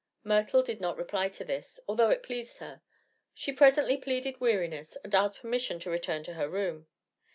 Myrtle did not reply to this, although it pleased her. She presently pleaded weariness and asked permission to return to her room.